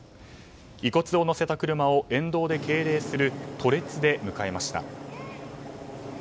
遺骨を乗せた車を沿道で敬礼する堵列で迎えました。